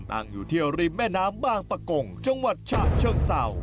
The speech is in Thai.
ตั้งอยู่ที่ริมแม่น้ำบางปะกงจังหวัดฉะเชิงเศร้า